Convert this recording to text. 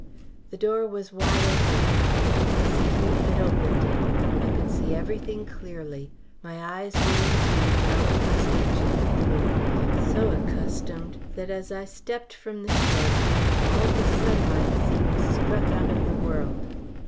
The door was wide open now, and this key had opened it. I could see everything clearly. My eyes were, indeed, now accustomed to the gloom so accustomed that, as I stepped from the shed, all the sunlight seemed struck out of the world.